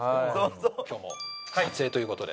今日も撮影という事で。